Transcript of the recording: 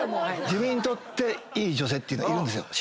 自分にとっていい女性っていうのいるんです。